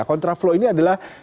kontraflo ini adalah salah satu